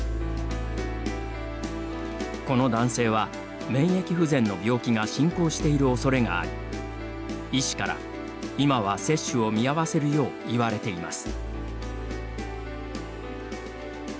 この男性は免疫不全の病気が進行しているおそれがあり医師から、今は接種を見合わせるよう言われています。